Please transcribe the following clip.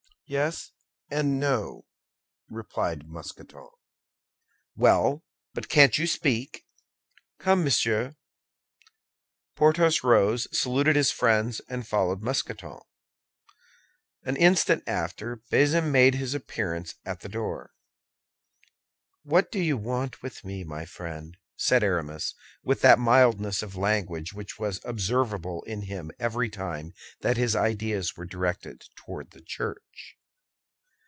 "Yes and no," replied Mousqueton. "Well, but can't you speak?" "Come, monsieur." Porthos rose, saluted his friends, and followed Mousqueton. An instant after, Bazin made his appearance at the door. "What do you want with me, my friend?" said Aramis, with that mildness of language which was observable in him every time that his ideas were directed toward the Church.